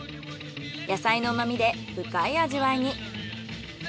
野菜の旨みで深い味わいに。